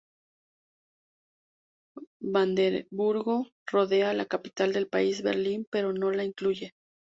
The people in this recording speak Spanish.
Brandeburgo rodea a la capital del país, Berlín, pero no la incluye.